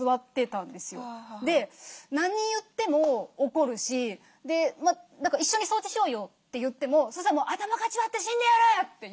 で何言っても怒るし「一緒に掃除しようよ」って言ってもそしたらもう「頭かち割って死んでやる！」って言うんですよ。